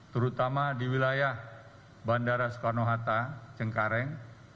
terutama di wilayah bandara soekarno hatta cengkareng